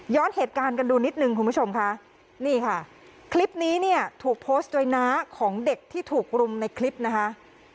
เหตุการณ์กันดูนิดนึงคุณผู้ชมค่ะนี่ค่ะคลิปนี้เนี่ยถูกโพสต์โดยน้าของเด็กที่ถูกรุมในคลิปนะคะ